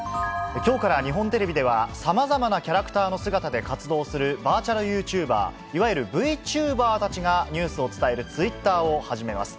きょうから日本テレビでは、さまざまなキャラクターの姿で活動するバーチャルユーチューバー、いわゆるＶＴｕｂｅｒたちがニュースを伝えるツイッターを始めます。